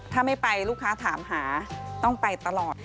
ถ้าไม่ไปลูกค้าถามหาต้องไปตลอด